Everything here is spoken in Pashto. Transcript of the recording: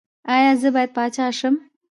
ایا زه باید پاچا شم؟